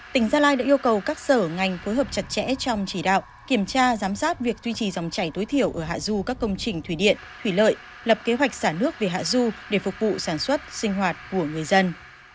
tỉnh gia lai đã yêu cầu các sở ngành phối hợp chặt chẽ trong chỉ đạo kiểm tra giám sát việc duy trì dòng chảy tối thiểu ở hạ du các công trình thủy điện thủy lợi lập kế hoạch xả nước về hạ du để phục vụ sản xuất sinh hoạt của người dân